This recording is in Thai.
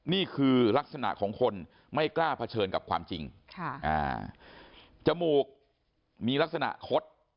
นี่คือลักษณะของคนไม่กล้าเผชิญกับความจริงจมูกมีลักษณะคด